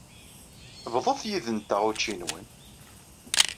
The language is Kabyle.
Bḍut yid-nteɣ učči-nwen.